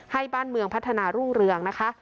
บ้านเมืองพัฒนารุ่งเรืองนะคะ